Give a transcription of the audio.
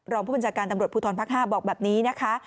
รองผู้บัญชาการตำรวจภูทรภาค๕บอกแบบนี้นะคะ